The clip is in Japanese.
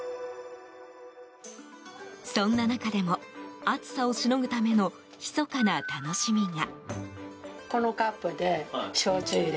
そんな中でも暑さをしのぐための密かな楽しみが。